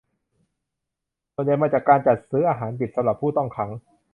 ส่วนใหญ่มาจากการจัดซื้ออาหารดิบสำหรับผู้ต้องขัง